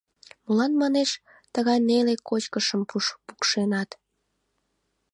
Молан, манеш, тыгай неле кочкышым пукшенат?